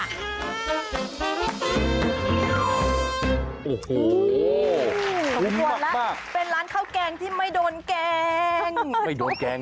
โอ้โฮขอบคุณมากแล้วเป็นร้านข้าวแกงที่ไม่โดนแกง